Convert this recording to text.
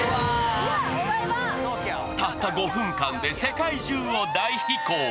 たった５分間で世界中を大飛行。